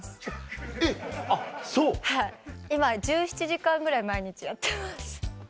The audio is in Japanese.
今１７時間ぐらい毎日やってます。